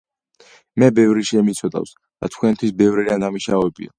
მე ბევრი შემიცოდავს და თქვენთვის ბევრი რამ დამიშავებია.